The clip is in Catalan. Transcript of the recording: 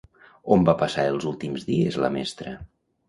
On va passar els seus últims dies la mestra?